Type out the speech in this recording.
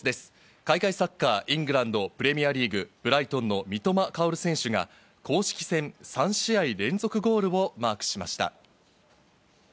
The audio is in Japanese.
海外サッカー、イングランド・プレミアリーグ、ブライトンの三笘薫選手が公式戦３試合連続ゴールをマークしました。